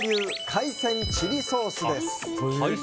海鮮チリソースです。